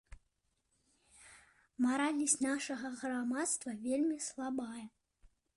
Маральнасць нашага грамадства вельмі слабая.